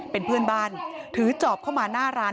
เป็นเพื่อนบ้านถือจอบเข้ามาหน้าร้าน